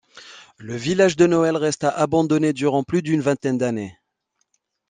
Le village de Noël resta abandonné durant plus d'une vingtaine d'années.